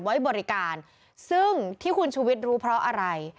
ไว้บริการซึ่งที่คุณชุวิตรู้เพราะอะไร